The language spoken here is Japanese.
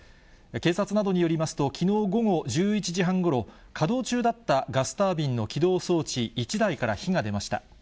警察などによりますと、きのう午後１１時半ごろ、稼働中だったガスタービンの起動装置１台から火が出ました。